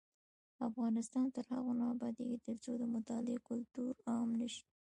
افغانستان تر هغو نه ابادیږي، ترڅو د مطالعې کلتور عام نشي.